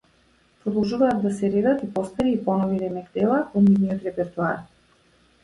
Продолжуваат да се редат и постари и понови ремек дела од нивниот репертоар.